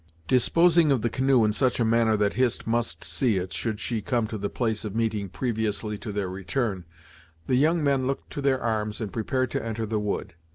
Disposing of the canoe in such a manner that Hist must see it, should she come to the place of meeting previously to their return, the young men looked to their arms and prepared to enter the wood.